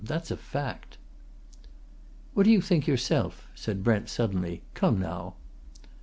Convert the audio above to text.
That's a fact!" "What do you think yourself?" said Brent suddenly. "Come now?"